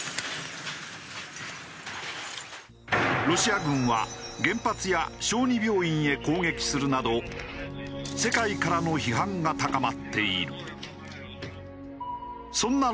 ロシア軍は原発や小児病院へ攻撃するなど世界からの批判が高まっている。